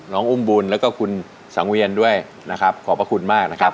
อุ้มบุญแล้วก็คุณสังเวียนด้วยนะครับขอบพระคุณมากนะครับ